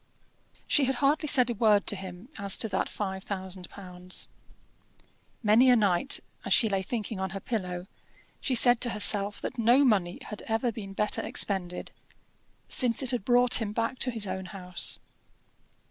She had hardly said a word to him as to that five thousand pounds. Many a night, as she lay thinking on her pillow, she said to herself that no money had ever been better expended, since it had brought him back to his own house.